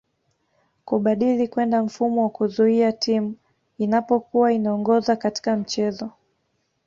Kubadili kwenda mfumo wa kuzuia Timu inapokua inaongoza katika mchezo